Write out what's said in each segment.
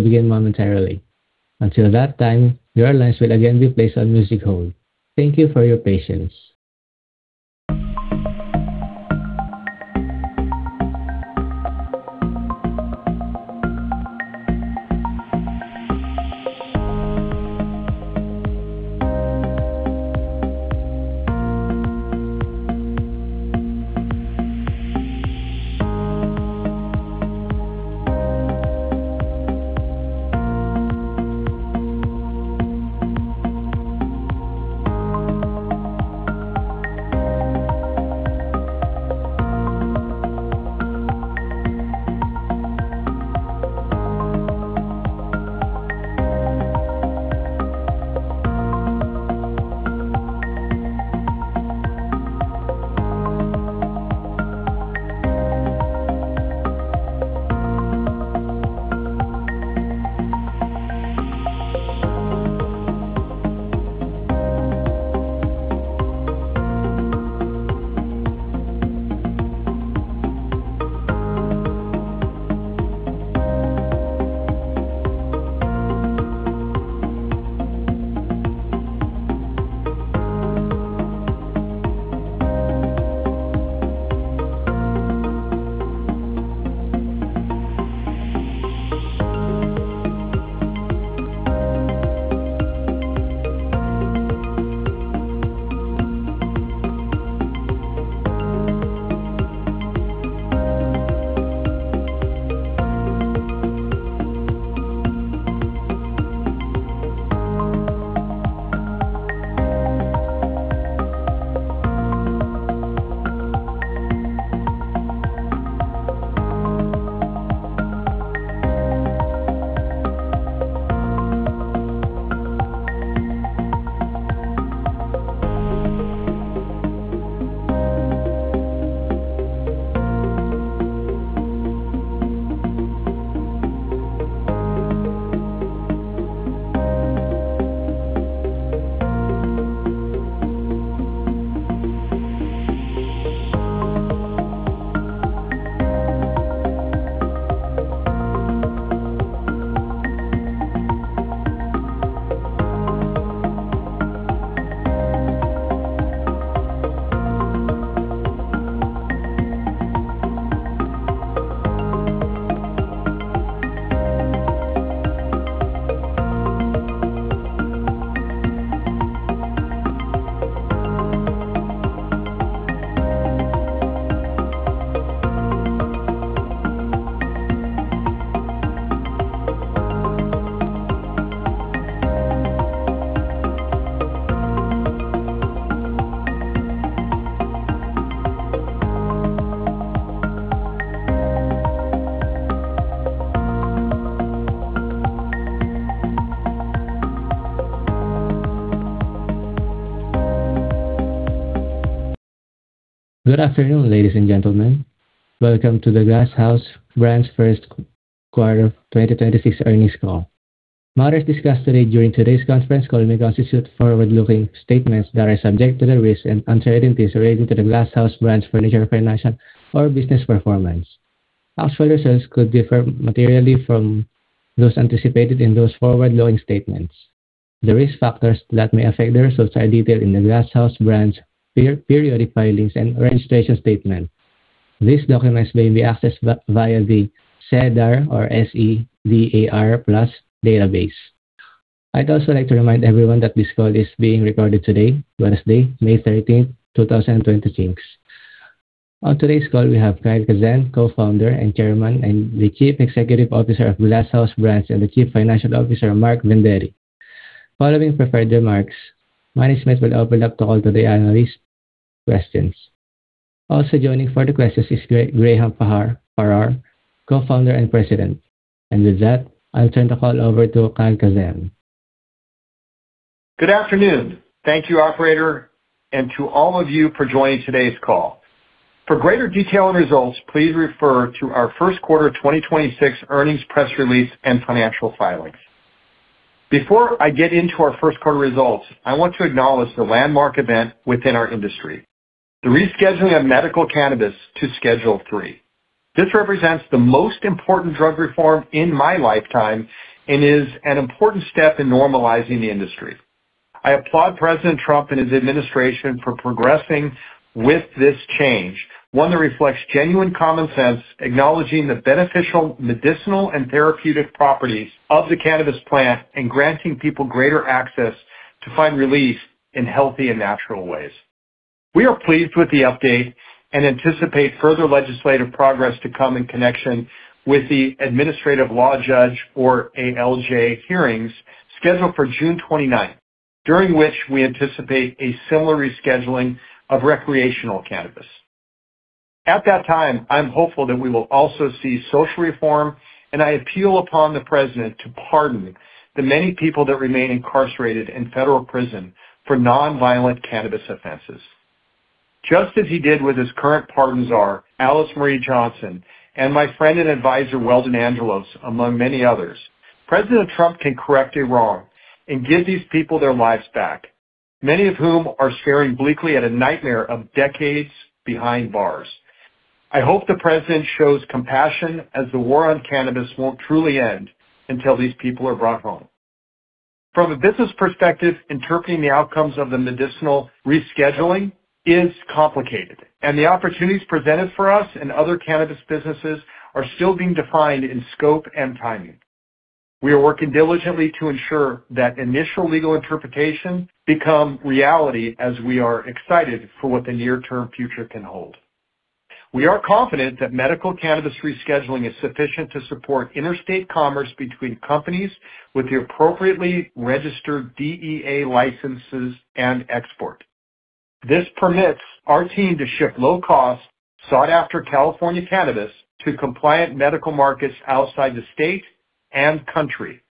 Good afternoon, ladies and gentlemen. Welcome to Glass House Brands First Quarter 2026 Earnings Call. Matters discussed today during today's conference call may constitute forward-looking statements that are subject to the risks and uncertainties relating to Glass House Brands future financial or business performance. Actual results could differ materially from those anticipated in those forward-looking statements. The risk factors that may affect the results are detailed in Glass House Brands periodic filings and registration statement. These documents may be accessed via the SEDAR or SEDAR+ database. I'd also like to remind everyone that this call is being recorded today, Wednesday, May 13th, 2026. On today's call, we have Kyle Kazan, Co-founder and Chairman and Chief Executive Officer of Glass House Brands, and Chief Financial Officer, Mark Vendetti. Following prepared remarks, management will open up the call to the analyst questions. Also joining for the questions is Graham Farrar, Co-founder and President. With that, I'll turn the call over to Kyle Kazan. Good afternoon. Thank you, operator, and to all of you for joining today's call. For greater detail and results, please refer to our first quarter 2026 earnings press release and financial filings. Before I get into our first quarter results, I want to acknowledge the landmark event within our industry, the rescheduling of medical cannabis to Schedule III. This represents the most important drug reform in my lifetime and is an important step in normalizing the industry. I applaud President Trump and his administration for progressing with this change, one that reflects genuine common sense, acknowledging the beneficial medicinal and therapeutic properties of the cannabis plant and granting people greater access to find relief in healthy and natural ways. We are pleased with the update and anticipate further legislative progress to come in connection with the Administrative Law Judge or ALJ hearings scheduled for June 29th, during which we anticipate a similar rescheduling of recreational cannabis. At that time, I'm hopeful that we will also see social reform, and I appeal upon the President to pardon the many people that remain incarcerated in federal prison for non-violent cannabis offenses. Just as he did with his current pardon czar, Alice Marie Johnson, and my friend and advisor, Weldon Angelos, among many others. President Trump can correct a wrong and give these people their lives back. Many of whom are staring bleakly at a nightmare of decades behind bars. I hope the President shows compassion as the war on cannabis won't truly end until these people are brought home. From a business perspective, interpreting the outcomes of the medicinal rescheduling is complicated, and the opportunities presented for us and other cannabis businesses are still being defined in scope and timing. We are working diligently to ensure that initial legal interpretation become reality as we are excited for what the near-term future can hold. We are confident that medical cannabis rescheduling is sufficient to support interstate commerce between companies with the appropriately registered DEA licenses and export. This permits our team to ship low-cost, sought-after California cannabis to compliant medical markets outside the state and country.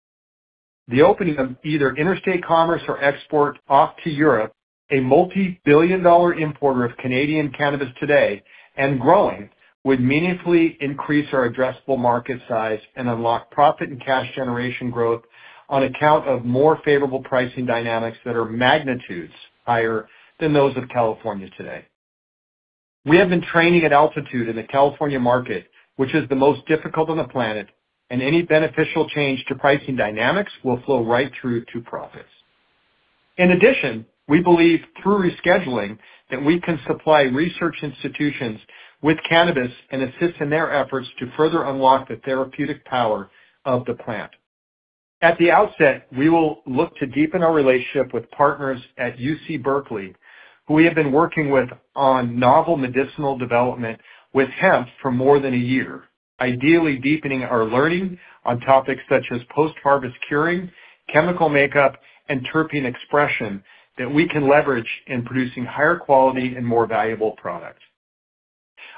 The opening of either interstate commerce or export off to Europe, a multi-billion-dollar importer of Canadian cannabis today and growing, would meaningfully increase our addressable market size and unlock profit and cash generation growth on account of more favorable pricing dynamics that are magnitudes higher than those of California today. We have been training at altitude in the California market, which is the most difficult on the planet and any beneficial change to pricing dynamics will flow right through to profits. In addition, we believe through rescheduling that we can supply research institutions with cannabis and assist in their efforts to further unlock the therapeutic power of the plant. At the outset, we will look to deepen our relationship with partners at UC Berkeley, who we have been working with on novel medicinal development with hemp for more than a year, ideally deepening our learning on topics such as post-harvest curing, chemical makeup, and terpene expression that we can leverage in producing higher quality and more valuable products.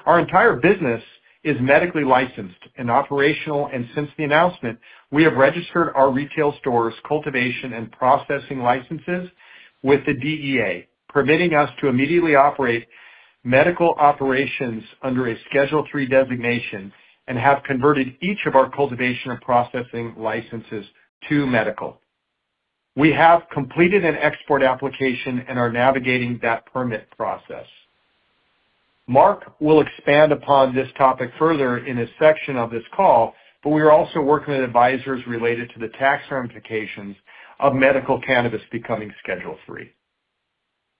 Our entire business is medically licensed and operational, and since the announcement, we have registered our retail stores, cultivation, and processing licenses with the DEA, permitting us to immediately operate medical operations under a Schedule III designation and have converted each of our cultivation and processing licenses to medical. We have completed an export application and are navigating that permit process. Mark will expand upon this topic further in his section of this call, but we are also working with advisors related to the tax ramifications of medical cannabis becoming Schedule III.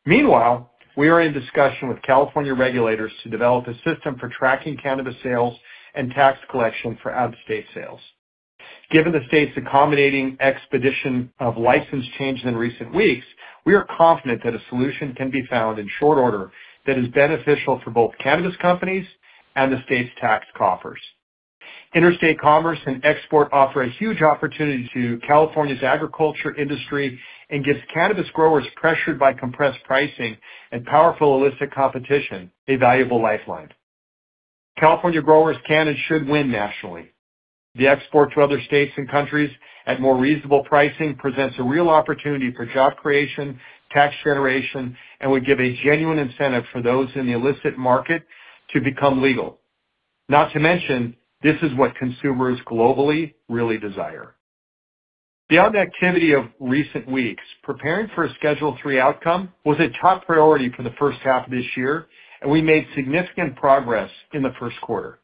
Meanwhile, we are in discussion with California regulators to develop a system for tracking cannabis sales and tax collection for out-of-state sales. Given the state's accommodating expedition of license changes in recent weeks, we are confident that a solution can be found in short order that is beneficial for both cannabis companies and the state's tax coffers. Interstate commerce and export offer a huge opportunity to California's agriculture industry and gives cannabis growers pressured by compressed pricing and powerful illicit competition a valuable lifeline. California growers can and should win nationally. The export to other states and countries at more reasonable pricing presents a real opportunity for job creation, tax generation, and would give a genuine incentive for those in the illicit market to become legal. Not to mention, this is what consumers globally really desire. Beyond the activity of recent weeks, preparing for a Schedule III outcome was a top priority for the first half of this year and we made significant progress in the first quarter.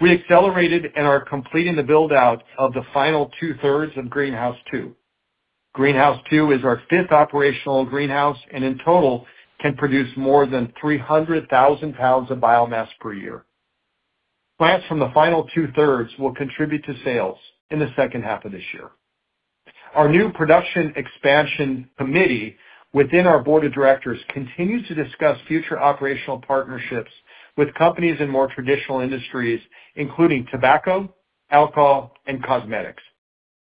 We accelerated and are completing the build-out of the final two-thirds of Greenhouse II. Greenhouse II is our fifth operational greenhouse, and in total can produce more than 300,000 pounds of biomass per year. Plants from the final two-thirds will contribute to sales in the second half of this year. Our new production expansion committee within our board of directors continues to discuss future operational partnerships with companies in more traditional industries, including tobacco, alcohol, and cosmetics.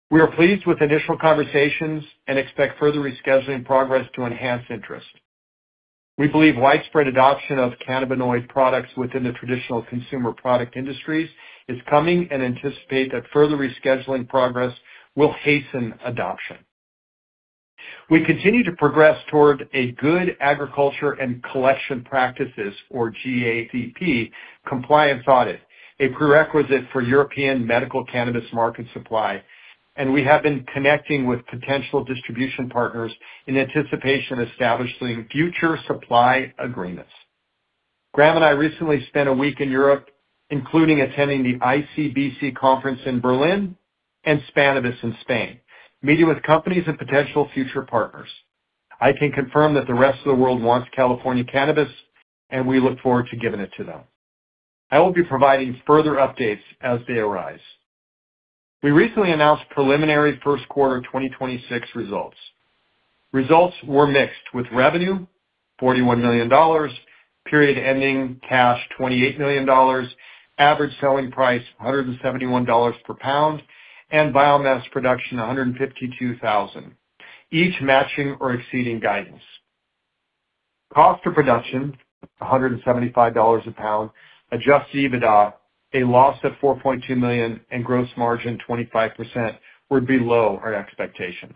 We are pleased with initial conversations and expect further rescheduling progress to enhance interest. We believe widespread adoption of cannabinoid products within the traditional consumer product industries is coming and anticipate that further rescheduling progress will hasten adoption. We continue to progress toward a Good Agricultural and Collection Practices, or GACP, compliance audit, a prerequisite for European medical cannabis market supply, and we have been connecting with potential distribution partners in anticipation of establishing future supply agreements. Graham and I recently spent a week in Europe, including attending the ICBC conference in Berlin and Spannabis in Spain, meeting with companies and potential future partners. I can confirm that the rest of the world wants California cannabis, and we look forward to giving it to them. I will be providing further updates as they arise. We recently announced preliminary first quarter 2026 results. Results were mixed, with revenue $41 million, period ending cash $28 million, average selling price $171 per pound, and biomass production 152,000, each matching or exceeding guidance. Cost of production $175 a pound, Adjusted EBITDA a loss of $4.2 million, and gross margin 25% were below our expectations.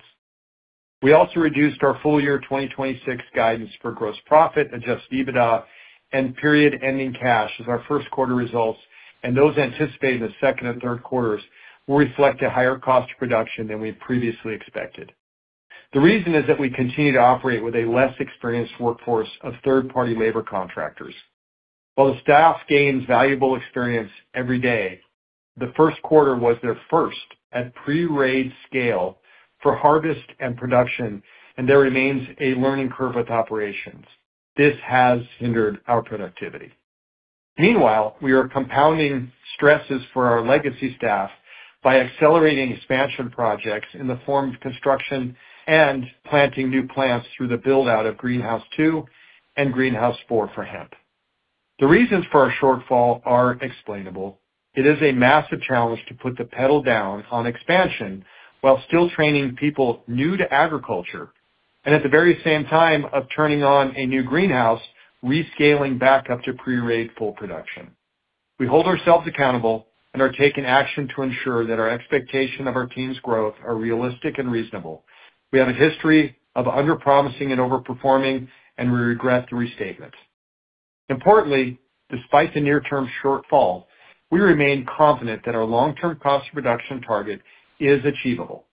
We also reduced our full year 2026 guidance for gross profit, Adjusted EBITDA, and period ending cash as our first quarter results and those anticipating the second and third quarters will reflect a higher cost of production than we had previously expected. The reason is that we continue to operate with a less experienced workforce of third-party labor contractors. While the staff gains valuable experience every day, the first quarter was their first at pre-rate scale for harvest and production, and there remains a learning curve with operations. This has hindered our productivity. Meanwhile, we are compounding stresses for our legacy staff by accelerating expansion projects in the form of construction and planting new plants through the build-out of Greenhouse 2 and Greenhouse 4 for hemp. The reasons for our shortfall are explainable. It is a massive challenge to put the pedal down on expansion while still training people new to agriculture, and at the very same time of turning on a new greenhouse, rescaling back up to pre-rate full production. We hold ourselves accountable and are taking action to ensure that our expectation of our team's growth are realistic and reasonable. We have a history of under promising and overperforming, and we regret the restatement. Importantly, despite the near-term shortfall, we remain confident that our long-term cost reduction target is achievable.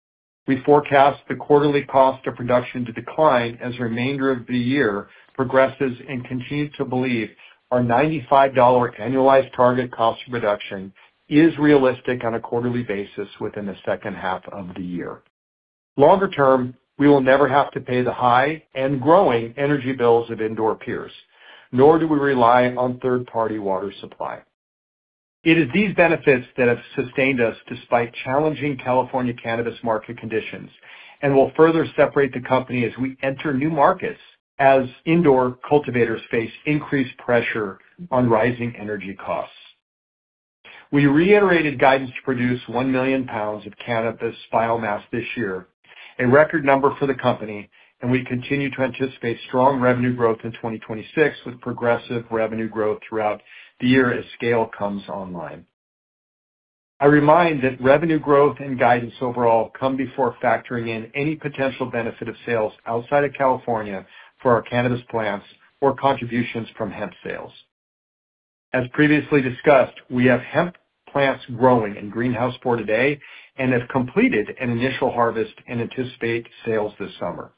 We forecast the quarterly cost of production to decline as the remainder of the year progresses and continue to believe our $95 annualized target cost reduction is realistic on a quarterly basis within the second half of the year. Longer term, we will never have to pay the high and growing energy bills of indoor peers nor do we rely on third-party water supply. It is these benefits that have sustained us despite challenging California cannabis market conditions and will further separate the company as we enter new markets as indoor cultivators face increased pressure on rising energy costs. We reiterated guidance to produce 1 million pounds of cannabis biomass this year, a record number for the company, and we continue to anticipate strong revenue growth in 2026 with progressive revenue growth throughout the year as scale comes online. I remind that revenue growth and guidance overall come before factoring in any potential benefit of sales outside of California for our cannabis plants or contributions from hemp sales. As previously discussed, we have hemp plants growing in Greenhouse 4 today and have completed an initial harvest and anticipate sales this summer.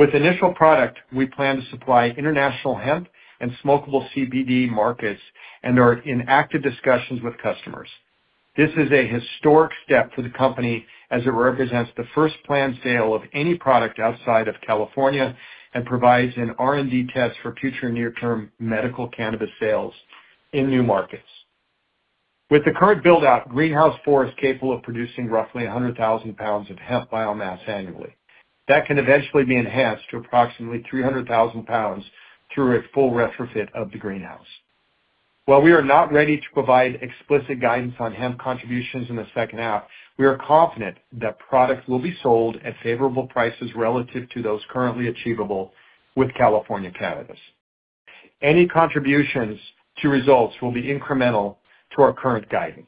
With initial product, we plan to supply international hemp and smokable CBD markets and are in active discussions with customers. This is a historic step for the company as it represents the first planned sale of any product outside of California and provides an R&D test for future near-term medical cannabis sales in new markets. With the current build-out, Greenhouse 4 is capable of producing roughly 100,000 pounds of hemp biomass annually. That can eventually be enhanced to approximately 300,000 pounds through a full retrofit of the greenhouse. While we are not ready to provide explicit guidance on hemp contributions in the second half, we are confident that products will be sold at favorable prices relative to those currently achievable with California cannabis. Any contributions to results will be incremental to our current guidance.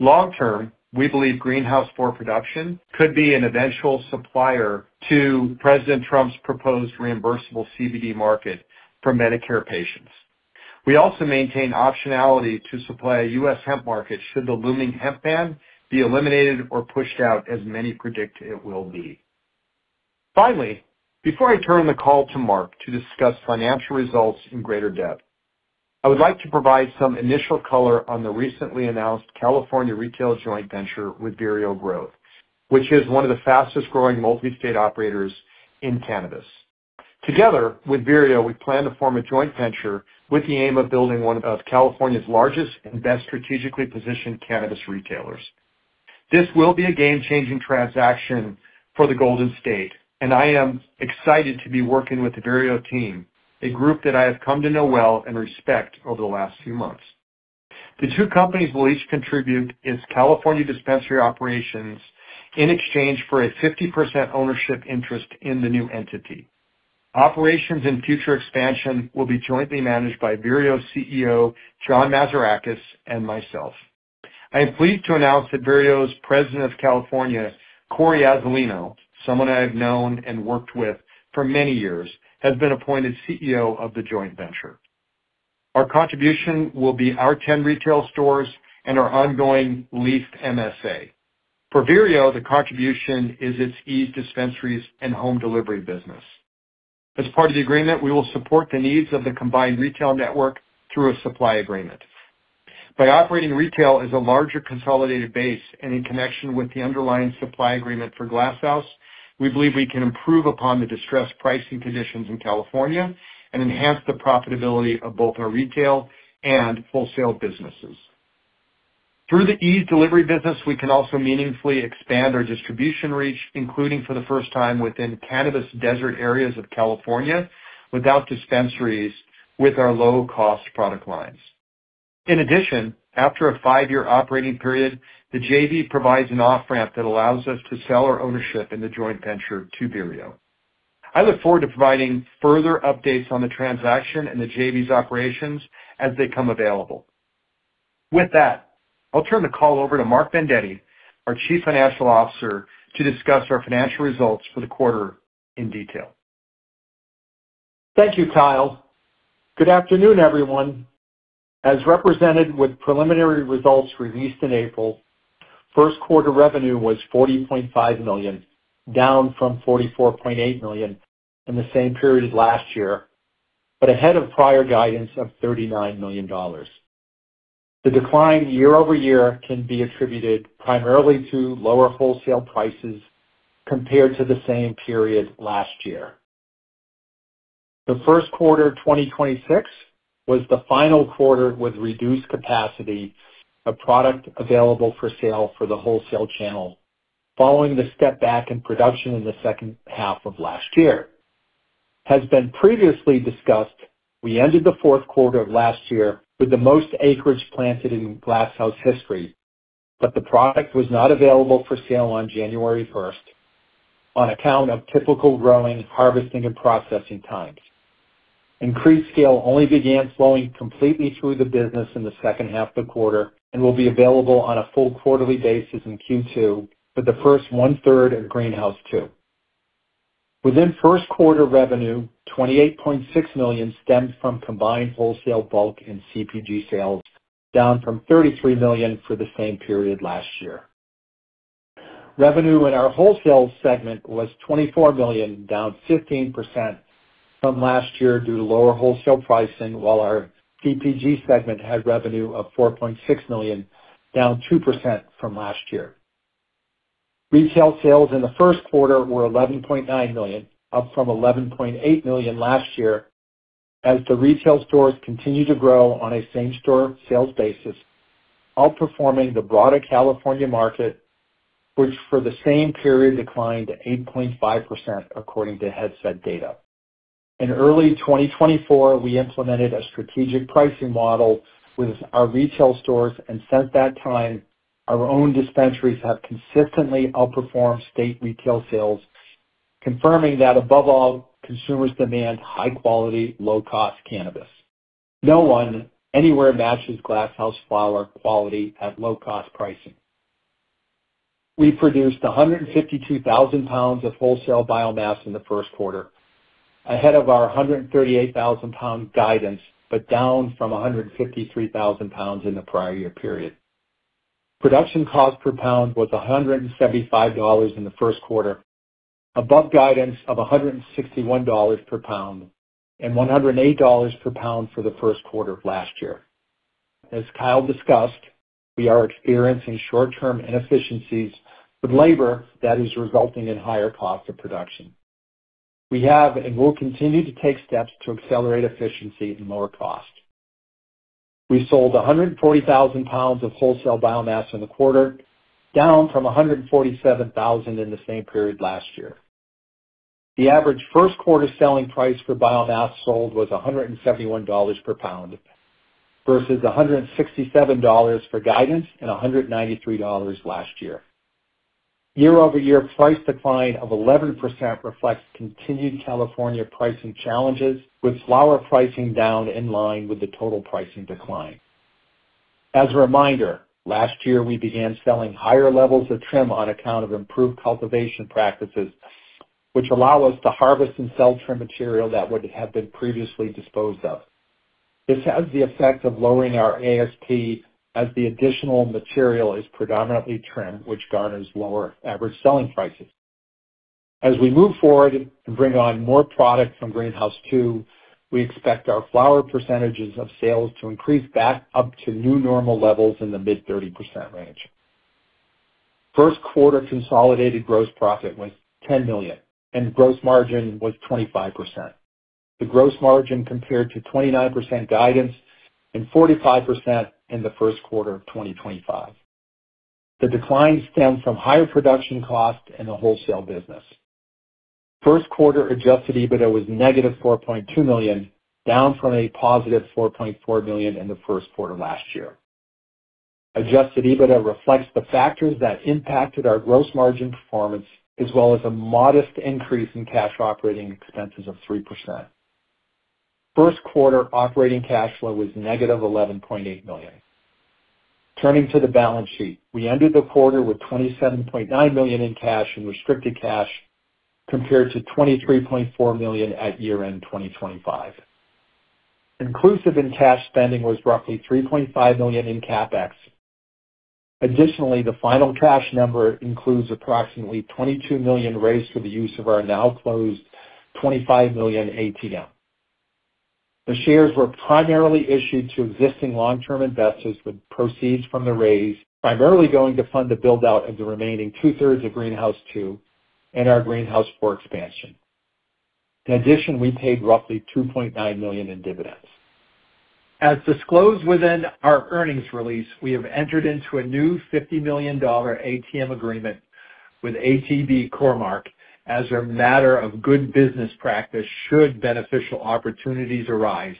Long term, we believe Greenhouse 4 production could be an eventual supplier to President Trump's proposed reimbursable CBD market for Medicare patients. We also maintain optionality to supply U.S. hemp market should the looming hemp ban be eliminated or pushed out, as many predict it will be. Finally, before I turn the call to Mark to discuss financial results in greater depth, I would like to provide some initial color on the recently announced California retail joint venture with Vireo Growth, which is one of the fastest-growing multi-state operators in cannabis. Together with Vireo, we plan to form a joint venture with the aim of building one of California's largest and best strategically positioned cannabis retailers. This will be a game-changing transaction for the Golden State, and I am excited to be working with the Vireo team, a group that I have come to know well and respect over the last few months. The two companies will each contribute its California dispensary operations in exchange for a 50% ownership interest in the new entity. Operations and future expansion will be jointly managed by Vireo CEO John Mazarakis and myself. I am pleased to announce that Vireo's President of California, Cory Azzalino, someone I have known and worked with for many years, has been appointed CEO of the joint venture. Our contribution will be our 10 retail stores and our ongoing leafed MSA. For Vireo, the contribution is its Eaze dispensaries and home delivery business. As part of the agreement, we will support the needs of the combined retail network through a supply agreement. By operating retail as a larger consolidated base and in connection with the underlying supply agreement for Glass House, we believe we can improve upon the distressed pricing conditions in California and enhance the profitability of both our retail and wholesale businesses. Through the Eaze delivery business, we can also meaningfully expand our distribution reach, including for the first time within cannabis desert areas of California without dispensaries with our low-cost product lines. In addition, after a five-year operating period, the JV provides an off-ramp that allows us to sell our ownership in the joint venture to Vireo. I look forward to providing further updates on the transaction and the JV's operations as they come available. With that, I'll turn the call over to Mark Vendetti, our Chief Financial Officer, to discuss our financial results for the quarter in detail. Thank you, Kyle. Good afternoon, everyone. As represented with preliminary results released in April, first quarter revenue was $40.5 million, down from $44.8 million in the same period last year, ahead of prior guidance of $39 million. The decline year-over-year can be attributed primarily to lower wholesale prices compared to the same period last year. The first quarter of 2026 was the final quarter with reduced capacity of product available for sale for the wholesale channel following the step back in production in the second half of last year. As been previously discussed, we ended the fourth quarter of last year with the most acreage planted in Glass House history, the product was not available for sale on January first on account of typical growing, harvesting, and processing times. Increased scale only began flowing completely through the business in the second half of the quarter and will be available on a full quarterly basis in Q2 for the first one-third of Greenhouse 2. Within first quarter revenue, $28.6 million stemmed from combined wholesale bulk and CPG sales, down from $33 million for the same period last year. Revenue in our wholesale segment was $24 million, down 15% from last year due to lower wholesale pricing, while our CPG segment had revenue of $4.6 million, down 2% from last year. Retail sales in the first quarter were $11.9 million, up from $11.8 million last year as the retail stores continue to grow on a same-store sales basis, outperforming the broader California market, which for the same period declined 8.5% according to Headset data. In early 2024, we implemented a strategic pricing model with our retail stores, and since that time, our own dispensaries have consistently outperformed state retail sales, confirming that above all, consumers demand high-quality, low-cost cannabis. No one anywhere matches Glass House flower quality at low-cost pricing. We produced 152,000 pounds of wholesale biomass in the first quarter, ahead of our 138,000 pound guidance but down from 153,000 pounds in the prior year period. Production cost per pound was $175 in the first quarter, above guidance of $161 per pound and $108 per pound for the first quarter of last year. As Kyle discussed, we are experiencing short-term inefficiencies with labor that is resulting in higher cost of production. We have and will continue to take steps to accelerate efficiency and lower cost. We sold 140,000 pounds of wholesale biomass in the quarter, down from 147,000 in the same period last year. The average first quarter selling price for biomass sold was $171 per pound versus $167 for guidance and $193 last year. Year-over-year price decline of 11% reflects continued California pricing challenges, with flower pricing down in line with the total pricing decline. As a reminder, last year we began selling higher levels of trim on account of improved cultivation practices, which allow us to harvest and sell trim material that would have been previously disposed of. This has the effect of lowering our ASP as the additional material is predominantly trim, which garners lower average selling prices. As we move forward and bring on more product from Greenhouse 2, we expect our flower percentages of sales to increase back up to new normal levels in the mid 30% range. First quarter consolidated gross profit was $10 million, and gross margin was 25%. The gross margin compared to 29% guidance and 45% in the first quarter of 2025. The decline stemmed from higher production costs in the wholesale business. First quarter Adjusted EBITDA was $-4.2 million, down from a +$4.4 million in the first quarter last year. Adjusted EBITDA reflects the factors that impacted our gross margin performance as well as a modest increase in cash operating expenses of 3%. First quarter operating cash flow was $-11.8 million. Turning to the balance sheet, we ended the quarter with $27.9 million in cash and restricted cash, compared to $23.4 million at year-end 2025. Inclusive in cash spending was roughly $3.5 million in CapEx. The final cash number includes approximately $22 million raised for the use of our now closed $25 million ATM. The shares were primarily issued to existing long-term investors, with proceeds from the raise primarily going to fund the build-out of the remaining two-thirds of Greenhouse 2 and our Greenhouse 4 expansion. We paid roughly $2.9 million in dividends. As disclosed within our earnings release, we have entered into a new $50 million ATM agreement with ATB Cormark as a matter of good business practice should beneficial opportunities arise.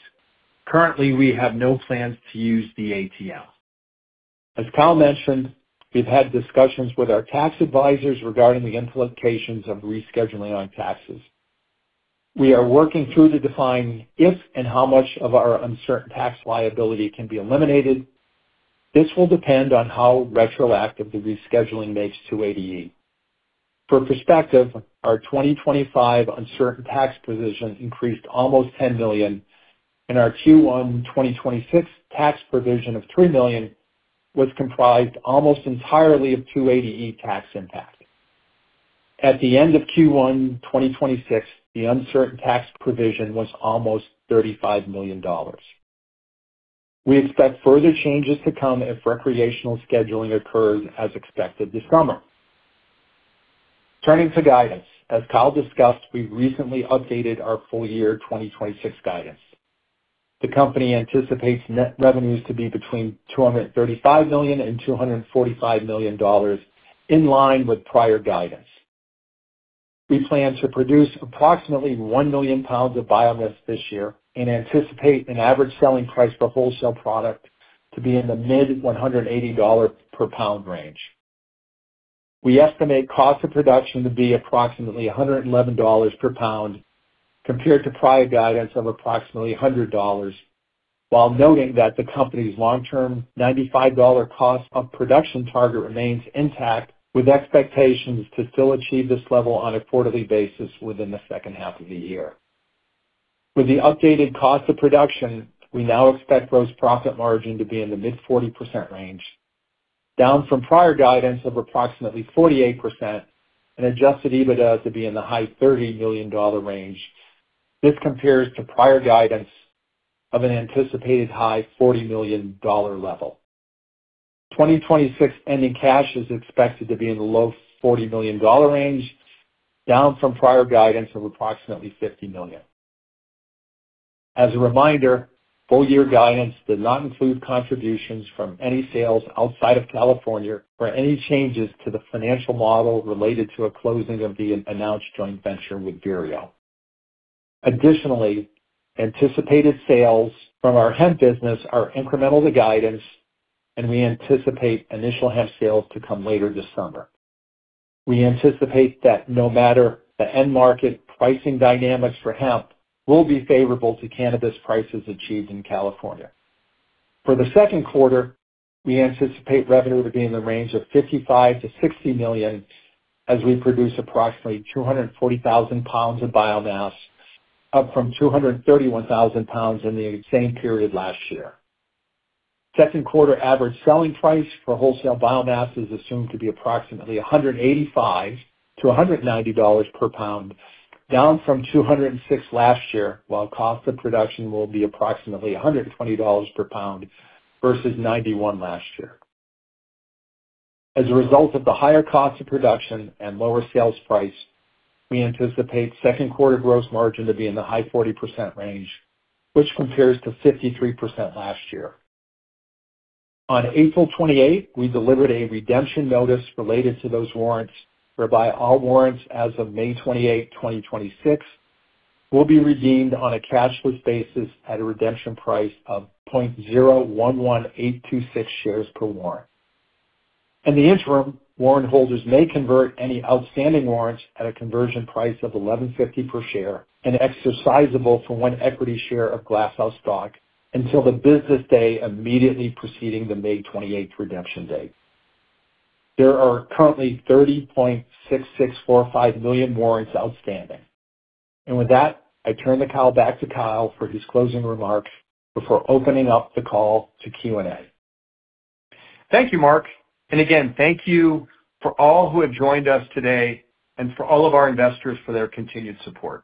Currently, we have no plans to use the ATM. As Kyle mentioned, we've had discussions with our tax advisors regarding the implications of rescheduling on taxes. We are working through to define if and how much of our uncertain tax liability can be eliminated. This will depend on how retroactive the rescheduling makes 280E. For perspective, our 2025 uncertain tax position increased almost $10 million, and our Q1 2026 tax provision of $3 million was comprised almost entirely of 280E tax impact. At the end of Q1 2026, the uncertain tax provision was almost $35 million. We expect further changes to come if recreational scheduling occurs as expected this summer. Turning to guidance. As Kyle discussed, we recently updated our full year 2026 guidance. The company anticipates net revenues to be between $235 million and $245 million, in line with prior guidance. We plan to produce approximately 1 million pounds of biomass this year and anticipate an average selling price for wholesale product to be in the mid-$180 per pound range. We estimate cost of production to be approximately $111 per pound compared to prior guidance of approximately $100, while noting that the company's long-term $95 cost of production target remains intact, with expectations to still achieve this level on a quarterly basis within the second half of the year. With the updated cost of production, we now expect gross profit margin to be in the mid-40% range, down from prior guidance of approximately 48% and Adjusted EBITDA to be in the high $30 million range. This compares to prior guidance of an anticipated high $40 million level. 2026 ending cash is expected to be in the low $40 million range, down from prior guidance of approximately $50 million. As a reminder, full year guidance did not include contributions from any sales outside of California or any changes to the financial model related to a closing of the announced joint venture with Vireo. Additionally, anticipated sales from our hemp business are incremental to guidance, and we anticipate initial hemp sales to come later this summer. We anticipate that no matter the end market, pricing dynamics for hemp will be favorable to cannabis prices achieved in California. For the second quarter, we anticipate revenue to be in the range of $55 million-$60 million as we produce approximately 240,000 pounds of biomass up from 231,000 pounds in the same period last year. Second quarter average selling price for wholesale biomass is assumed to be approximately $185 to $190 per pound, down from $206 last year, while cost of production will be approximately $120 per pound versus $91 last year. As a result of the higher cost of production and lower sales price, we anticipate second quarter gross margin to be in the high 40% range, which compares to 53% last year. On April 28, we delivered a redemption notice related to those warrants whereby all warrants as of May 28, 2026 will be redeemed on a cashless basis at a redemption price of 0.011826 shares per warrant. In the interim, warrant holders may convert any outstanding warrants at a conversion price of $11.50 per share and exercisable for one equity share of Glass House stock until the business day immediately preceding the May 28th redemption date. There are currently 30.6645 million warrants outstanding. With that, I turn the call back to Kyle for his closing remarks before opening up the call to Q&A. Thank you, Mark. Again, thank you for all who have joined us today and for all of our investors for their continued support.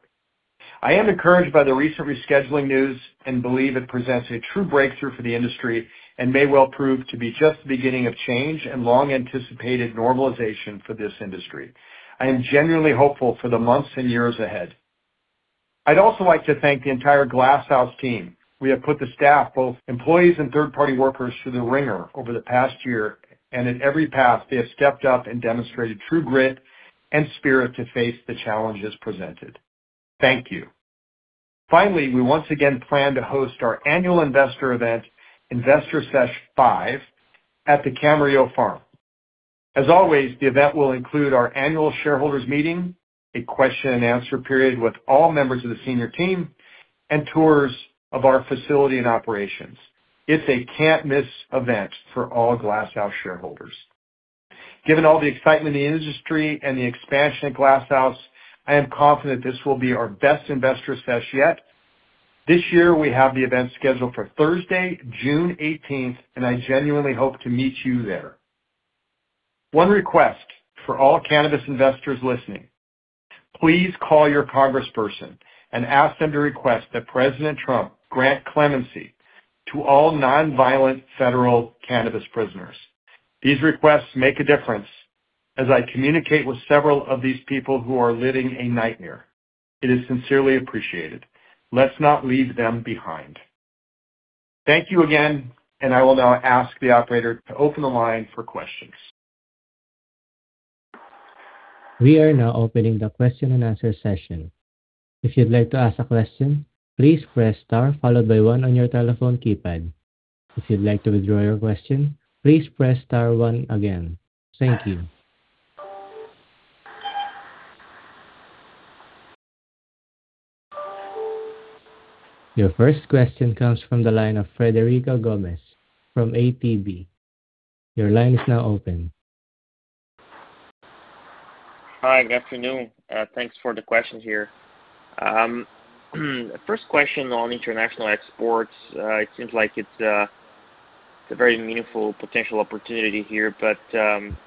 I am encouraged by the recent rescheduling news and believe it presents a true breakthrough for the industry and may well prove to be just the beginning of change and long-anticipated normalization for this industry. I am genuinely hopeful for the months and years ahead. I'd also like to thank the entire Glass House team. We have put the staff, both employees and third-party workers, through the wringer over the past year, and at every path, they have stepped up and demonstrated true grit and spirit to face the challenges presented. Thank you. Finally, we once again plan to host our annual investor event, Investor Sesh V, at the Camarillo Farm. As always, the event will include our annual shareholders meeting, a question and answer period with all members of the senior team, and tours of our facility and operations. It's a can't-miss event for all Glass House shareholders. Given all the excitement in the industry and the expansion at Glass House, I am confident this will be our best Investor Sesh yet. This year, we have the event scheduled for Thursday, June 18th, and I genuinely hope to meet you there. One request for all cannabis investors listening. Please call your congressperson and ask them to request that President Trump grant clemency to all non-violent federal cannabis prisoners. These requests make a difference, as I communicate with several of these people who are living a nightmare. It is sincerely appreciated. Let's not leave them behind. Thank you again, and I will now ask the operator to open the line for questions. We are now opening the question and answer session. If you'd like to ask a question, please press star followed by one on your telephone keypad. If you'd like to withdraw your question, please press star one again. Thank you. Your first question comes from the line of Frederico Gomes from ATB. Your line is now open. Hi, good afternoon. Thanks for the questions here. First question on international exports. It seems like it's a very meaningful potential opportunity here. Can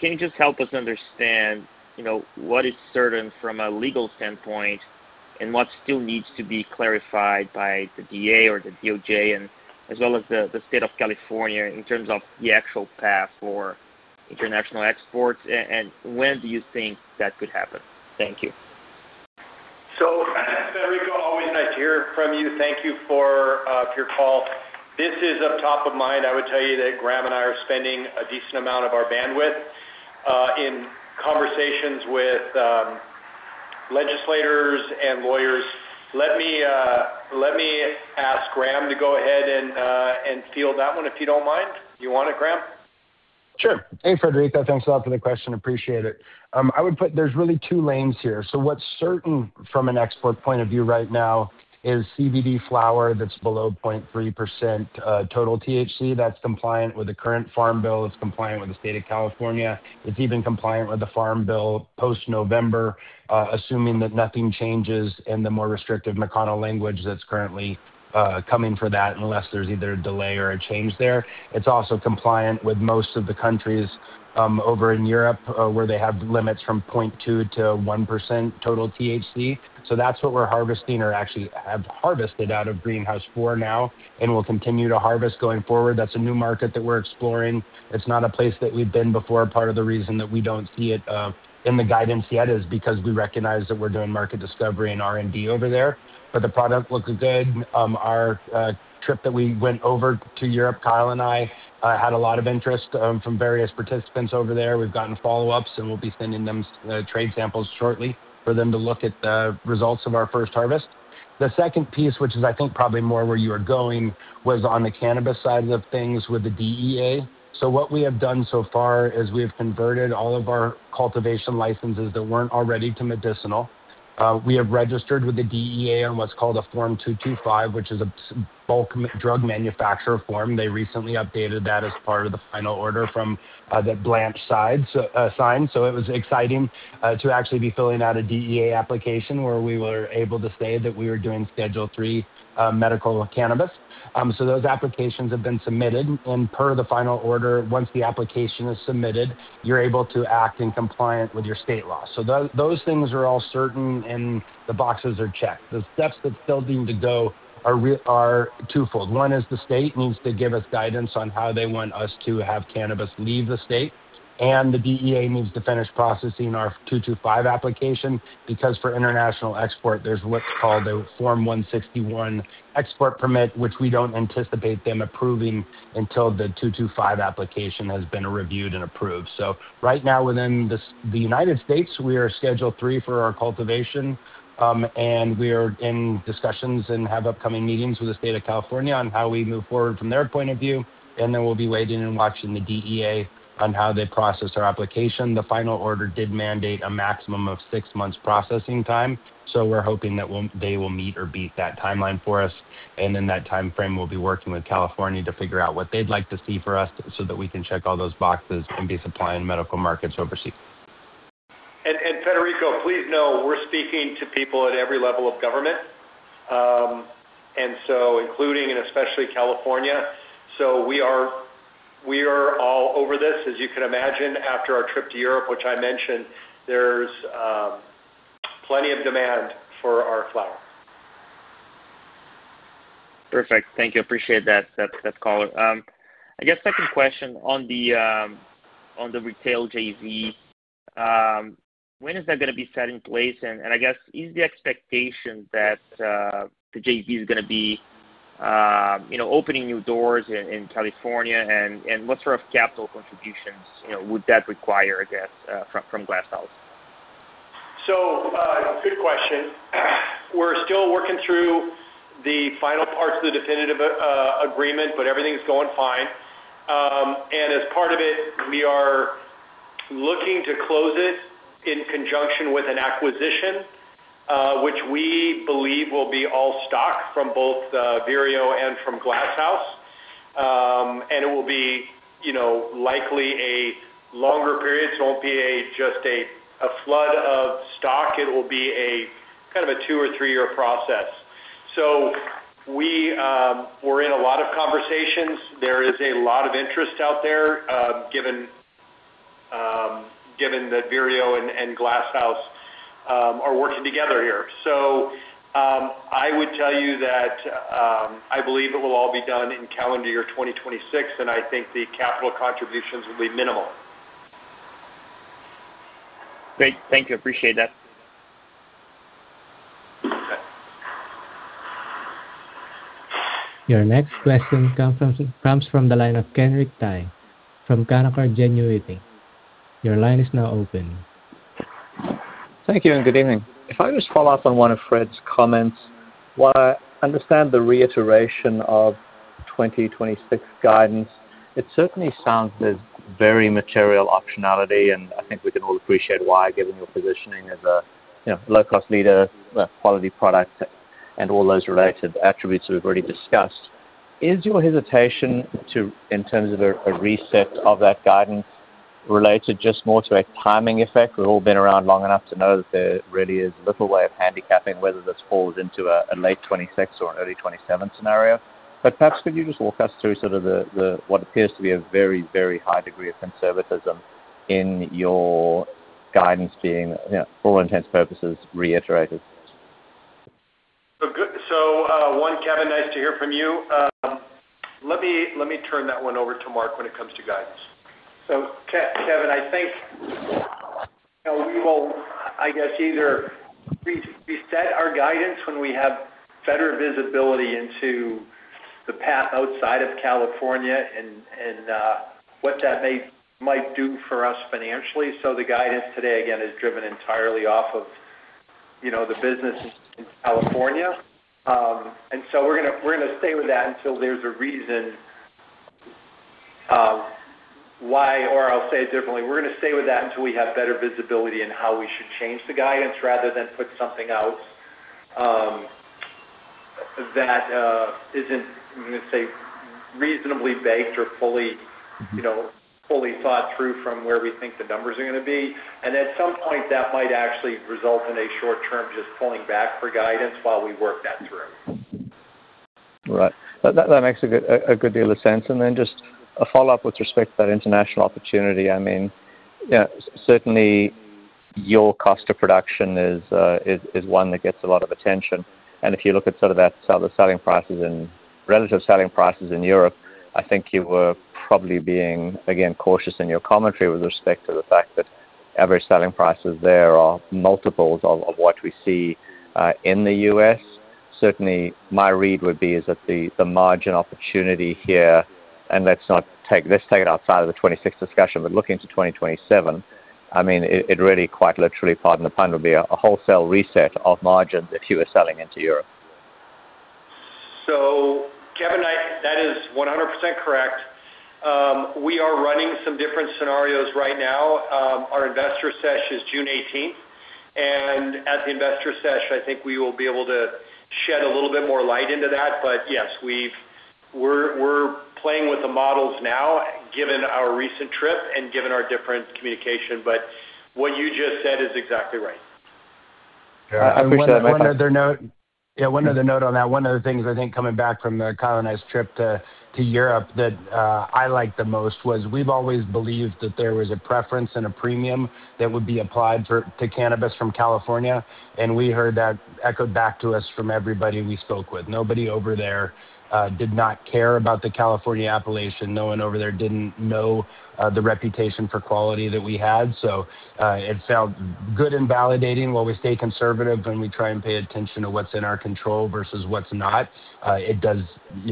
you just help us understand, you know, what is certain from a legal standpoint and what still needs to be clarified by the DEA or the DOJ and as well as the State of California in terms of the actual path for international exports, and when do you think that could happen? Thank you. Frederico, always nice to hear from you. Thank you for your call. This is up top of mind. I would tell you that Graham and I are spending a decent amount of our bandwidth in conversations with legislators and lawyers. Let me ask Graham to go ahead and field that one, if you don't mind. You want it, Graham? Sure. Hey, Frederico Gomes. Thanks a lot for the question. Appreciate it. I would put there's really two lanes here. What's certain from an export point of view right now is CBD flower that's below 0.3% total THC. That's compliant with the current Farm Bill. It's compliant with the State of California. It's even compliant with the Farm Bill post-November, assuming that nothing changes in the more restrictive McConnell language that's currently coming for that, unless there's either a delay or a change there. It's also compliant with most of the countries over in Europe, where they have limits from 0.2%-1% total THC. That's what we're harvesting, or actually have harvested out of Greenhouse 4 now, and we'll continue to harvest going forward. That's a new market that we're exploring. It's not a place that we've been before. Part of the reason that we don't see it in the guidance yet is because we recognize that we're doing market discovery and R&D over there. The product looks good. Our trip that we went over to Europe, Kyle and I had a lot of interest from various participants over there. We've gotten follow-ups, and we'll be sending them trade samples shortly for them to look at the results of our first harvest. The second piece, which is I think probably more where you are going, was on the cannabis side of things with the DEA. What we have done so far is we have converted all of our cultivation licenses that weren't already to medicinal. We have registered with the DEA on what's called a Form 225, which is a bulk drug manufacturer form. They recently updated that as part of the final order from the [Blanche] side sign. It was exciting actually to be filling out a DEA application where we were able to say that we were doing Schedule III medical cannabis. Those applications have been submitted. Per the final order, once the application is submitted, you're able to act in compliant with your state law. Those things are all certain, and the boxes are checked. The steps that still need to go are twofold. One is the state needs to give us guidance on how they want us to have cannabis leave the state, and the DEA needs to finish processing our Form 225 application. For international export, there's what's called a Form 161 Export Permit, which we don't anticipate them approving until the Form 225 application has been reviewed and approved. Right now within the United States, we are Schedule III for our cultivation, and we are in discussions and have upcoming meetings with the state of California on how we move forward from their point of view. We'll be waiting and watching the DEA on how they process our application. The final order did mandate a maximum of six months processing time, so we're hoping that they will meet or beat that timeline for us. In that timeframe, we'll be working with California to figure out what they'd like to see for us so that we can check all those boxes and be supplying medical markets overseas. Frederico, please know we're speaking to people at every level of government. Including, and especially California. We are all over this. As you can imagine, after our trip to Europe, which I mentioned, there's plenty of demand for our flower. Perfect. Thank you. Appreciate that call. I guess second question on the retail JV. When is that gonna be set in place? I guess is the expectation that the JV is gonna be, you know, opening new doors in California? What sort of capital contributions, you know, would that require, I guess, from Glass House? Good question. We're still working through the final parts of the definitive agreement but everything's going fine. As part of it, we are looking to close it in conjunction with an acquisition, which we believe will be all stock from both Vireo and from Glass House. It will be, you know, likely a longer period. It won't be just a flood of stock. It will be a kind of a two or three-year process. We're in a lot of conversations. There is a lot of interest out there, given that Vireo and Glass House are working together here. I would tell you that I believe it will all be done in calendar year 2026, and I think the capital contributions will be minimal. Great. Thank you. Appreciate that. Your next question comes from the line of Kenric Tyghe from Canaccord Genuity. Your line is now open. Thank you. Good evening. If I just follow up on one of Fred's comments. While I understand the reiteration of 2026 guidance. It certainly sounds there's very material optionality, and I think we can all appreciate why given your positioning as a, you know, low-cost leader, a quality product, and all those related attributes we've already discussed. Is your hesitation in terms of a reset of that guidance related just more to a timing effect? We've all been around long enough to know that there really is little way of handicapping whether this falls into a late 2026 or an early 2027 scenario. Perhaps could you just walk us through sort of what appears to be a very, very high degree of conservatism in your guidance being, you know, for all intents and purposes, reiterated? One, Kenric, nice to hear from you. Let me turn that one over to Mark when it comes to guidance. Kenric, I think, you know, we will, I guess, either reset our guidance when we have better visibility into the path outside of California and what that might do for us financially. The guidance today, again, is driven entirely off of, you know, the businesses in California. We're gonna stay with that until there's a reason. I'll say it differently. We're gonna stay with that until we have better visibility in how we should change the guidance rather than put something out that isn't, I'm gonna say, reasonably baked or fully, you know, fully thought through from where we think the numbers are gonna be. At some point, that might actually result in a short term just pulling back for guidance while we work that through. Right. That makes a good, a good deal of sense. Then just a follow-up with respect to that international opportunity. I mean, you know, certainly your cost of production is one that gets a lot of attention. If you look at sort of the selling prices in relative selling prices in Europe, I think you were probably being, again, cautious in your commentary with respect to the fact that average selling prices there are multiples of what we see in the U.S. Certainly, my read would be is that the margin opportunity here, let's take it outside of the 2026 discussion but looking to 2027, I mean, it really quite literally, pardon the pun, will be a wholesale reset of margins if you were selling into Europe. Kenric, that is 100% correct. We are running some different scenarios right now. Our Investor Sesh is June 18th, and at the Investor Sesh, I think we will be able to shed a little bit more light into that. Yes, we're playing with the models now given our recent trip and given our different communication. What you just said is exactly right. Yeah. I appreciate it. One other note. One other note on that. One of the things I think coming back from the Kyle and I's trip to Europe that I liked the most was we've always believed that there was a preference and a premium that would be applied to cannabis from California, and we heard that echoed back to us from everybody we spoke with. Nobody over there did not care about the California appellation. No one over there didn't know the reputation for quality that we had. It felt good and validating while we stay conservative and we try and pay attention to what's in our control versus what's not. You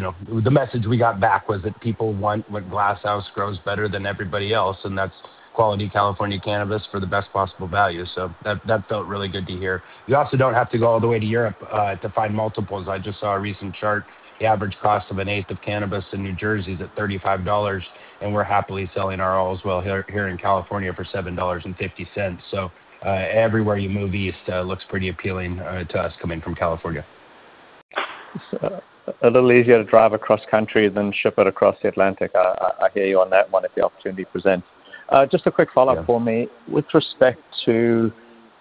know, the message we got back was that people want what Glass House grows better than everybody else, and that's quality California cannabis for the best possible value. That felt really good to hear. You also don't have to go all the way to Europe to find multiples. I just saw a recent chart. The average cost of an eighth of cannabis in New Jersey is at $35, and we're happily selling our oils well here in California for $7.50. Everywhere you move east looks pretty appealing to us coming from California. It's a little easier to drive across country than ship it across the Atlantic. I hear you on that one if the opportunity presents. Just a quick follow-up for me. Yeah. With respect to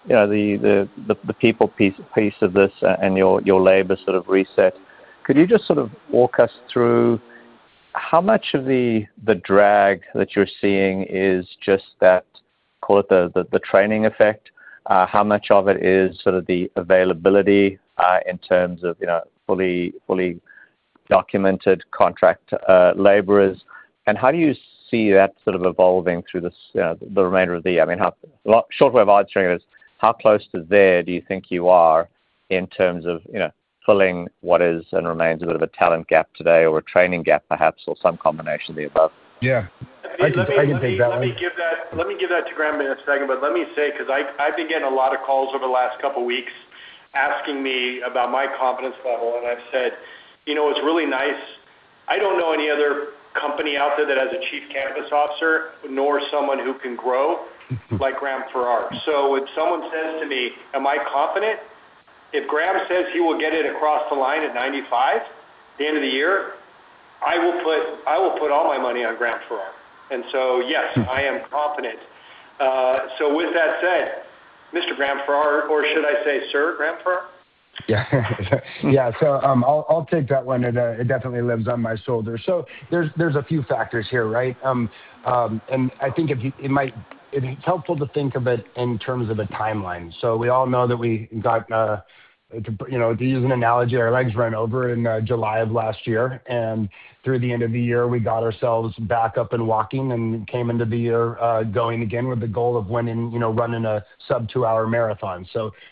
the people piece of this and your labor sort of reset, could you just walk us through how much of the drag that you're seeing is just that, call it the training effect? How much of it is the availability in terms of fully documented contract laborers? How do you see that sort of evolving through this, the remainder of the short way of answering it is how close to there do you think you are in terms of filling what is and remains a bit of a talent gap today or a training gap perhaps, or some combination of the above? Yeah. I can take that one. Let me give that to Graham in a second. Let me say, because I've been getting a lot of calls over the last couple weeks asking me about my confidence level, and I've said, "You know, it's really nice. I don't know any other company out there that has a Chief Cannabis Officer nor someone who can grow like Graham Farrar." When someone says to me, am I confident? If Graham says he will get it across the line at 95 the end of the year, I will put all my money on Graham Farrar. Yes, I am confident. With that said, Mr. Graham Farrar, or should I say Sir Graham Farrar? Yeah. Yeah. I'll take that one. It definitely lives on my shoulder. There's a few factors here, right? I think if you It's helpful to think of it in terms of a timeline. We all know that we got to use an analogy, our legs ran over in July of last year, through the end of the year, we got ourselves back up and walking and came into the year going again with the goal of winning, you know, running a sub two-hour marathon.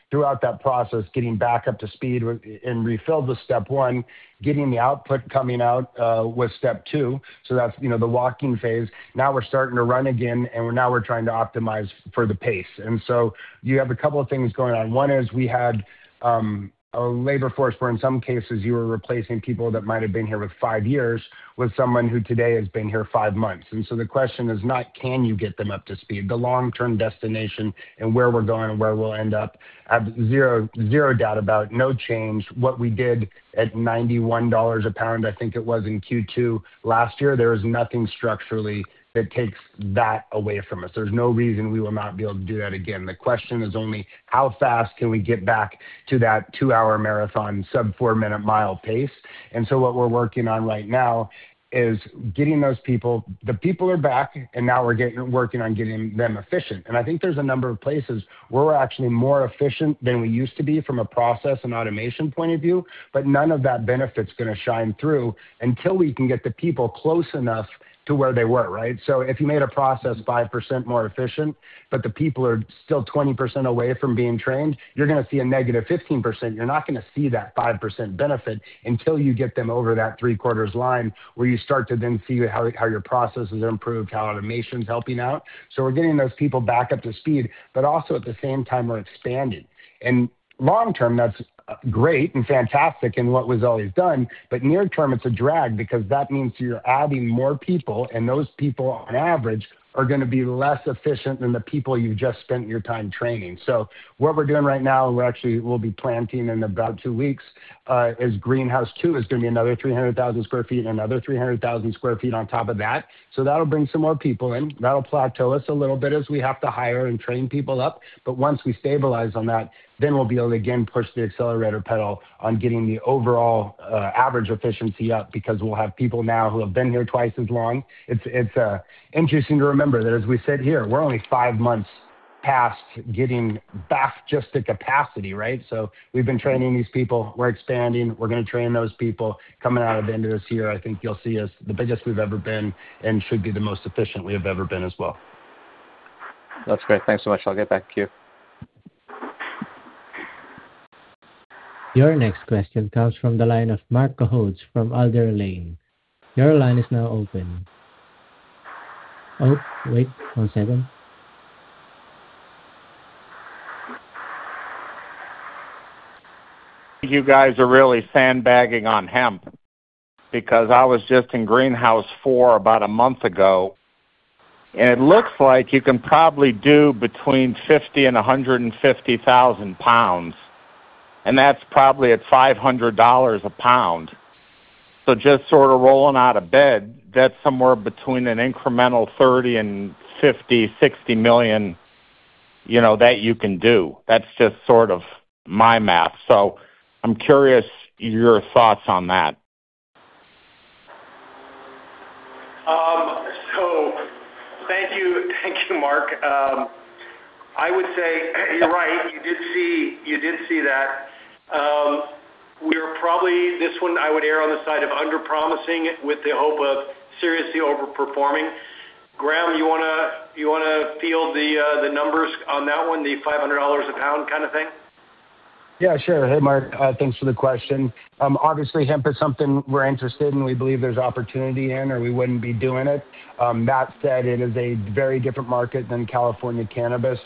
Throughout that process, getting back up to speed and refilled was step one, getting the output coming out was step two. That's, you know, the walking phase. We're starting to run again, and we're trying to optimize for the pace. You have a couple of things going on. One is we had a labor force where in some cases you were replacing people that might have been here with five years with someone who today has been here five months. The question is not can you get them up to speed, the long-term destination and where we're going and where we'll end up, I have zero doubt about no change. What we did at $91 a pound, I think it was in Q2 last year, there is nothing structurally that takes that away from us. There's no reason we will not be able to do that again. The question is only how fast can we get back to that two-hour marathon sub four-minute mile pace. What we're working on right now is getting those people. The people are back, and now we're working on getting them efficient. I think there's a number of places where we're actually more efficient than we used to be from a process and automation point of view, but none of that benefit's gonna shine through until we can get the people close enough to where they were, right? If you made a process 5% more efficient, but the people are still 20% away from being trained, you're gonna see a negative 15%. You're not gonna see that 5% benefit until you get them over that three-quarters line, where you start to then see how your processes are improved, how automation's helping out. We're getting those people back up to speed, but also at the same time we're expanding. Long term, that's great and fantastic and what was always done, but near term it's a drag because that means you're adding more people, and those people on average are gonna be less efficient than the people you just spent your time training. What we're doing right now, we're actually will be planting in about two weeks, is Greenhouse 2 is gonna be another 300,000 sq ft and another 300,000 sq ft on top of that. That'll bring some more people in. That'll plateau us a little bit as we have to hire and train people up. Once we stabilize on that, then we'll be able to again push the accelerator pedal on getting the overall average efficiency up because we'll have people now who have been here twice as long. It's interesting to remember that as we sit here, we're only five months past getting back just to capacity, right? We've been training these people. We're expanding. We're gonna train those people. Coming out of the end of this year, I think you'll see us the biggest we've ever been and should be the most efficient we have ever been as well. That's great. Thanks so much. I'll get back to you. Your next question comes from the line of Marc Cohodes from Alder Lane. Your line is now open. Wait one second. You guys are really sandbagging on hemp because I was just in Greenhouse 4 about a month ago. It looks like you can probably do between 50 and 150,000 pounds, and that's probably at $500 a pound. Just sort of rolling out of bed, that's somewhere between an incremental $30 million and $50 million, $60 million, you know, that you can do. That's just sort of my math. I'm curious your thoughts on that. Thank you. Thank you, Marc. I would say you're right. You did see that. This one I would err on the side of underpromising with the hope of seriously overperforming. Graham, you wanna field the numbers on that one, the $500 a pound kind of thing? Yeah, sure. Hey, Marc. Thanks for the question. Obviously hemp is something we're interested in. We believe there's opportunity in or we wouldn't be doing it. That said, it is a very different market than California cannabis,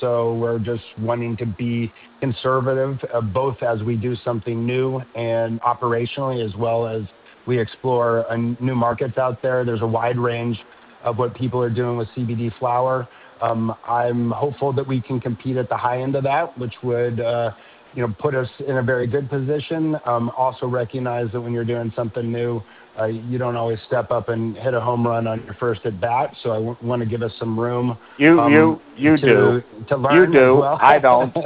we're just wanting to be conservative, both as we do something new and operationally as well as we explore new markets out there. There's a wide range of what people are doing with CBD flower. I'm hopeful that we can compete at the high end of that, which would, you know, put us in a very good position. Also recognize that when you're doing something new, you don't always step up and hit a home run on your first at bat. I wanna give us some room. You do. To learn. You do. I don't.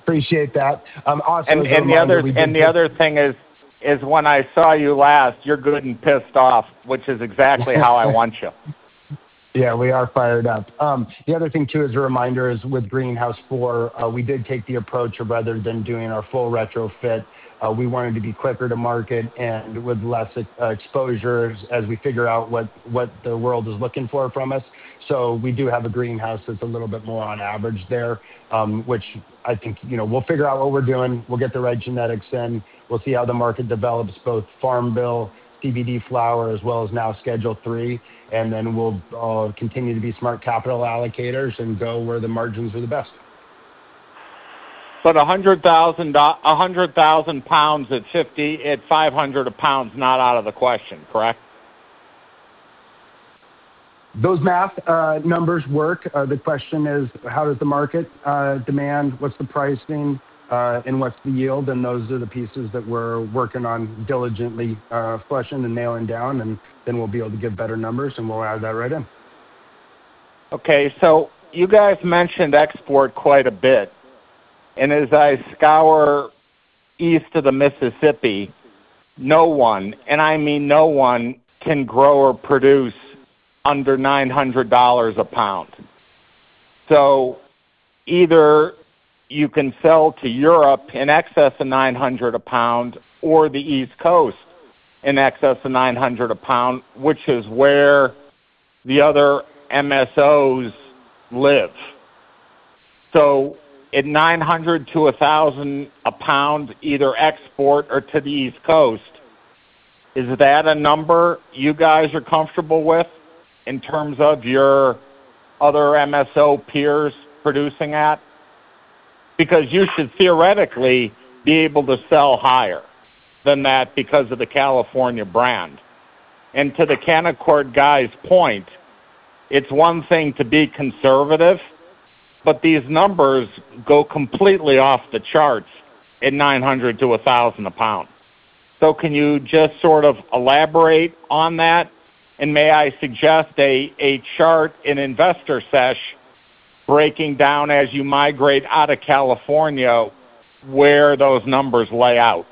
Appreciate that. Also as a reminder, we The other thing is, when I saw you last, you're good and pissed off, which is exactly how I want you. Yeah, we are fired up. The other thing too, as a reminder, is with Greenhouse 4, we did take the approach of rather than doing our full retrofit, we wanted to be quicker to market and with less exposure as we figure out what the world is looking for from us. We do have a greenhouse that's a little bit more on average there, which I think, you know, we'll figure out what we're doing. We'll get the right genetics in. We'll see how the market develops, both Farm Bill, CBD flower, as well as now Schedule III, and then we'll continue to be smart capital allocators and go where the margins are the best. 100,000 pounds at $500 a pound is not out of the question, correct? Those math numbers work. The question is, how does the market demand, what's the pricing, and what's the yield? Those are the pieces that we're working on diligently, fleshing and nailing down, and then we'll be able to give better numbers, and we'll add that right in. Okay. You guys mentioned export quite a bit. As I scour east of the Mississippi, no one, and I mean no one, can grow or produce under $900 a pound. Either you can sell to Europe in excess of $900 a pound or the East Coast in excess of $900 a pound, which is where the other MSOs live. At $900 to $1,000 a pound, either export or to the East Coast, is that a number you guys are comfortable with in terms of your other MSO peers producing at? Because you should theoretically be able to sell higher than that because of the California brand. To the Canaccord guy's point, it's one thing to be conservative, but these numbers go completely off the charts at $900 to $1,000 a pound. Can you just sort of elaborate on that? May I suggest a chart in Investor Sesh breaking down as you migrate out of California where those numbers lay out.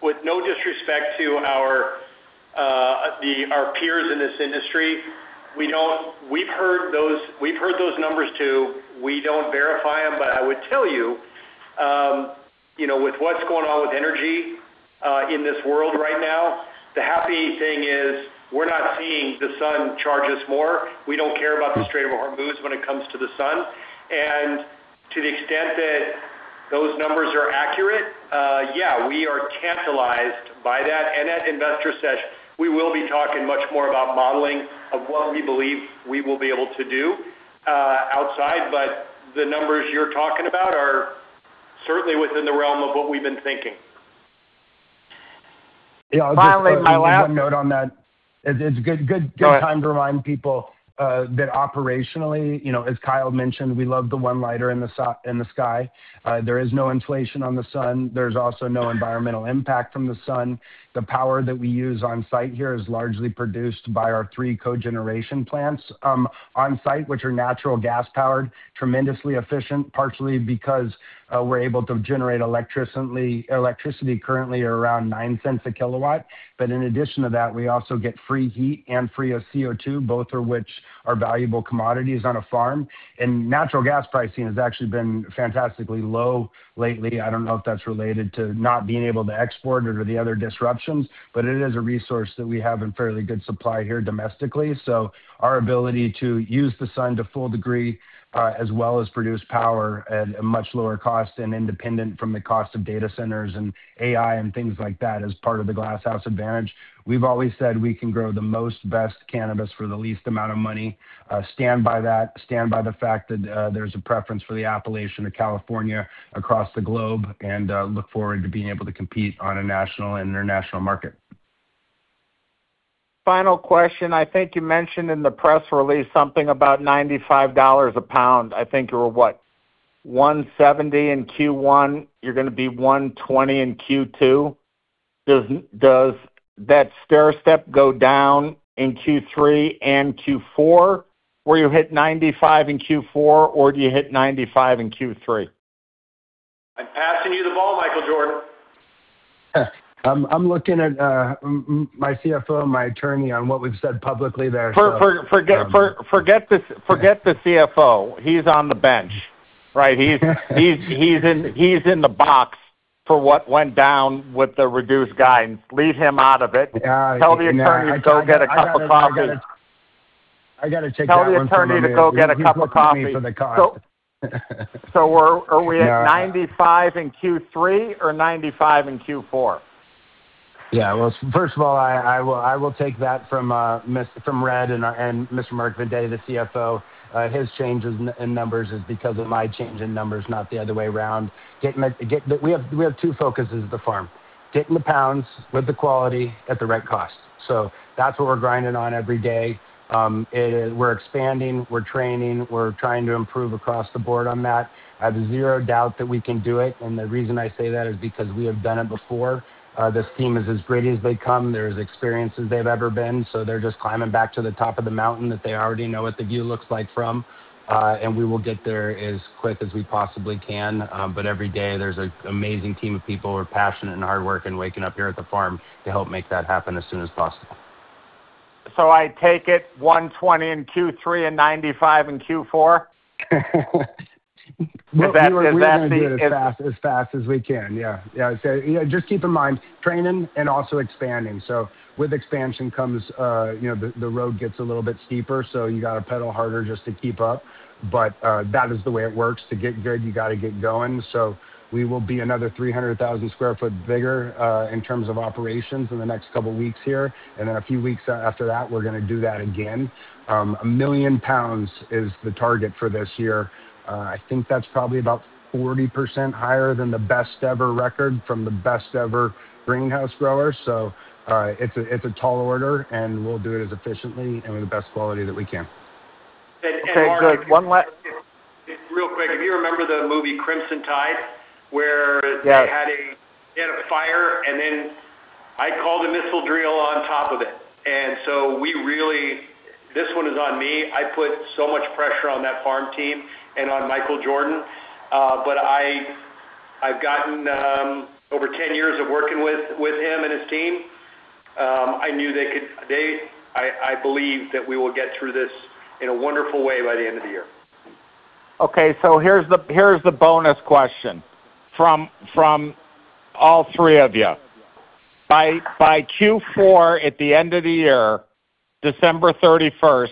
With no disrespect to our peers in this industry, we've heard those numbers too. We don't verify them. I would tell you know, with what's going on with energy in this world right now, the happy thing is we're not seeing the sun charge us more. We don't care about the Strait of Hormuz when it comes to the sun. To the extent that those numbers are accurate, yeah, we are tantalized by that. At Investor Sesh, we will be talking much more about modeling of what we believe we will be able to do outside. The numbers you're talking about are certainly within the realm of what we've been thinking. Yeah. Yeah, I'll just put one note on that. It's good. To remind people, that operationally, you know, as Kyle mentioned, we love the one lighter in the sky. There is no inflation on the sun. There's also no environmental impact from the sun. The power that we use on site here is largely produced by our three cogeneration plants on site, which are natural gas-powered, tremendously efficient, partially because we're able to generate electricity currently around $0.09 a kilowatt. In addition to that, we also get free heat and free CO2, both of which are valuable commodities on a farm. Natural gas pricing has actually been fantastically low lately. I don't know if that's related to not being able to export or the other disruptions, but it is a resource that we have in fairly good supply here domestically. Our ability to use the sun to full degree, as well as produce power at a much lower cost and independent from the cost of data centers and AI and things like that as part of the Glass House advantage. We've always said we can grow the most, best cannabis for the least amount of money. Stand by that. Stand by the fact that there's a preference for the appellation to California across the globe, and look forward to being able to compete on a national and international market. Final question. I think you mentioned in the press release something about $95 a pound. I think you were, what, $170 in Q1, you're gonna be $120 in Q2. Does that stairstep go down in Q3 and Q4, where you hit $95 in Q4, or do you hit $95 in Q3? I'm passing you the ball, Michael Jordan. I'm looking at my CFO and my attorney on what we've said publicly there. Forget the CFO. He's on the bench, right? He's in the box for what went down with the reduced guidance. Leave him out of it. Yeah. No, I gotta. Tell the attorney to go get a cup of coffee. I gotta take that one for my man. Tell the attorney to go get a cup of coffee. He booked me for the cost. Are we? Yeah $95 in Q3 or $95 in Q4? First of all, I will take that from Fred and Mr. Mark Vendetti, the CFO. His changes in numbers is because of my change in numbers, not the other way around. We have two focuses at the farm, getting the pounds with the quality at the right cost. That's what we're grinding on every day. We're expanding, we're training, we're trying to improve across the board on that. I have zero doubt that we can do it, and the reason I say that is because we have done it before. This team is as great as they come. They're as experienced as they've ever been, they're just climbing back to the top of the mountain that they already know what the view looks like from. We will get there as quick as we possibly can. Every day, there's an amazing team of people who are passionate and hard-working, waking up here at the farm to help make that happen as soon as possible. I take it $120 in Q3 and $95 in Q4? Is that the? We want to do it as fast as we can, yeah. Yeah. You know, just keep in mind, training and also expanding. With expansion comes, you know, the road gets a little bit steeper, so you gotta pedal harder just to keep up. That is the way it works. To get good, you gotta get going. We will be another 300,000 sq ft bigger in terms of operations in the next couple weeks here, and then a few weeks after that, we're gonna do that again. 1 million pounds is the target for this year. I think that's probably about 40% higher than the best ever record from the best ever greenhouse grower. It's a tall order, and we'll do it as efficiently and with the best quality that we can. Marc, real quick, if you remember the movie Crimson Tide. Yeah Where They had a fire. I called a missile drill on top of it. This one is on me. I put so much pressure on that farm team and on Michael Jordan. I've gotten over 10 years of working with him and his team. I knew they could. I believe that we will get through this in a wonderful way by the end of the year. Okay, here's the bonus question from all three of you. By Q4 at the end of the year, December 31st,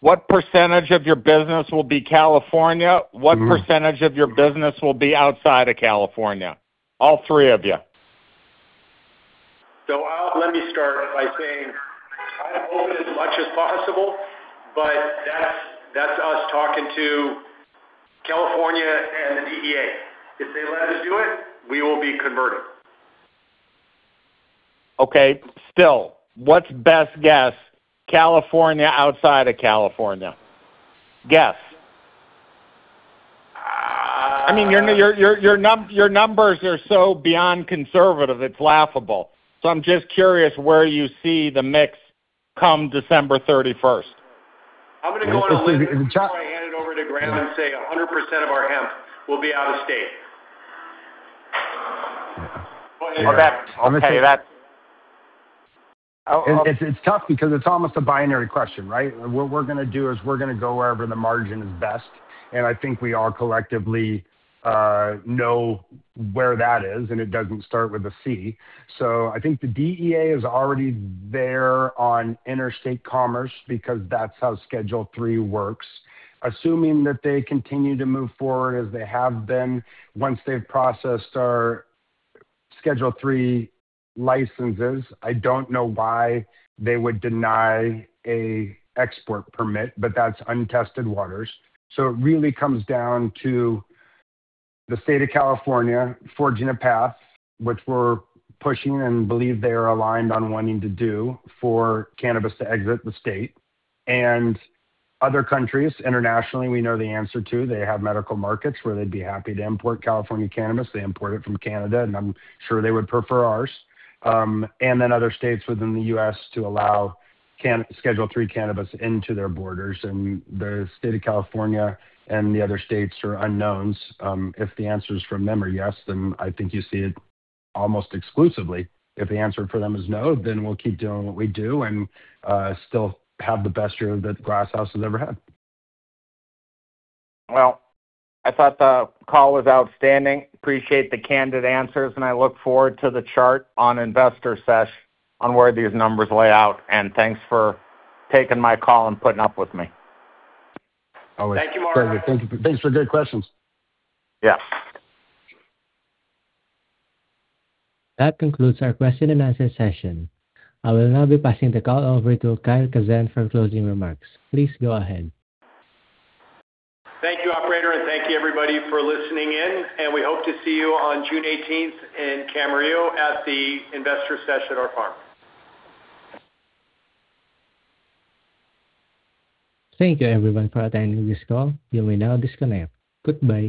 what percentage of your business will be California? What percentage of your business will be outside of California? All three of you. Let me start by saying I'm open as much as possible, but that's us talking to California and the DEA. If they let us do it, we will be converting. Okay. Still, what's best guess, California, outside of California? Guess. I mean, your numbers are so beyond conservative, it's laughable. I'm just curious where you see the mix come December 31st. I'm gonna go on a limb and before I hand it over to Graham and say 100% of our hemp will be out of state. Well, Okay. It's tough because it's almost a binary question, right? What we're gonna do is we're gonna go wherever the margin is best. I think we all collectively know where that is, and it doesn't start with a C. I think the DEA is already there on interstate commerce because that's how Schedule III works. Assuming that they continue to move forward as they have been, once they've processed our Schedule III licenses, I don't know why they would deny a export permit. That's untested waters. It really comes down to the state of California forging a path, which we're pushing and believe they are aligned on wanting to do for cannabis to exit the state. Other countries internationally, we know the answer too. They have medical markets where they'd be happy to import California cannabis. They import it from Canada, and I'm sure they would prefer ours. Other states within the U.S. to allow Schedule III cannabis into their borders. The state of California and the other states are unknowns. If the answer from them is yes, then I think you see it almost exclusively. If the answer from them is no, then we'll keep doing what we do and still have the best year that Glass House has ever had. Well, I thought the call was outstanding. Appreciate the candid answers, and I look forward to the chart on Investor Sesh on where these numbers lay out. Thanks for taking my call and putting up with me. Thank you, Marc. Always. Perfect. Thank you. Thanks for good questions. Yeah. That concludes our question and answer session. I will now be passing the call over to Kyle Kazan for closing remarks. Please go ahead. Thank you, operator, and thank you everybody for listening in, and we hope to see you on June 18th in Camarillo at the Investor Sesh at our farm. Thank you everyone for attending this call. You may now disconnect. Goodbye.